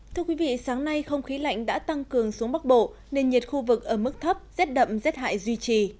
thưa quý vị sáng nay không khí lạnh đã tăng cường xuống bắc bộ nên nhiệt khu vực ở mức thấp rét đậm rét hại duy trì